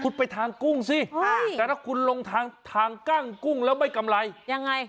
คุณไปทางกุ้งสิแต่ถ้าคุณลงทางทางกั้งกุ้งแล้วไม่กำไรยังไง